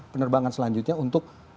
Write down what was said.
penerbangan selanjutnya untuk